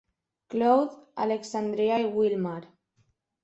Cloud, Alexandria i Willmar.